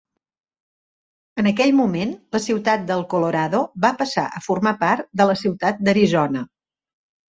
En aquell moment, la ciutat del Colorado va passar a formar part de la ciutat d'Arizona.